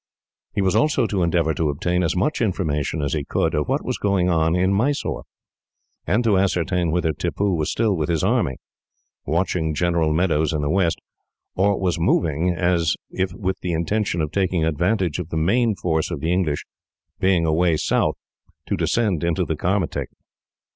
He was also to endeavour to obtain as much information as he could of what was going on in Mysore, and to ascertain whether Tippoo was still with his army, watching General Meadows in the west; or was moving, as if with the intention of taking advantage of the main force of the English being away south, to descend into the Carnatic.